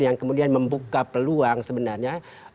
yang kemudian membuka peluang sebenarnya